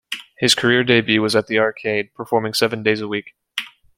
His career debut was at the Arcade, performing seven days a week.